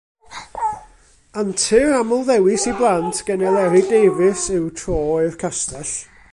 Antur amlddewis i blant gan Eleri Davies yw Tro i'r Castell.